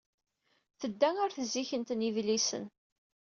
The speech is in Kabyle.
Tedda ɣer tzikkent n yidlisen.